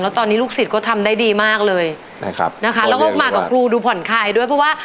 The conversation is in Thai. แล้วตอนนี้ลูกศิษย์ก็ทำได้ดีมากเลยนะครับนะคะแล้วก็มากับครูดูผ่อนคลายด้วยเพราะว่า